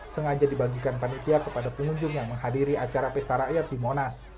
sengaja dibagikan panitia kepada pengunjung yang menghadiri acara pesta rakyat di monas